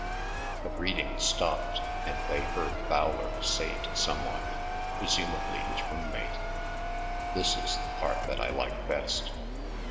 The reading stopped, and they heard Fowler say to some one, presumably his room mate: "This is the part that I like best.